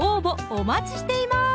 お待ちしています